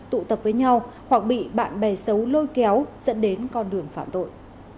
tụ tập với nhau hoặc bị bạn bè xấu lôi kéo dẫn đến con đường phạm tội